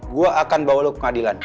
gue akan bawa lo ke pengadilan